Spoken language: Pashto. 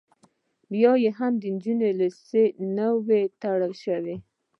بیا هم د نجونو لیسې نه وې تړل شوې